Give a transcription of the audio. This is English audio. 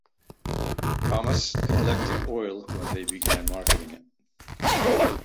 Thomas’ Eclectic Oil when they began marketing it.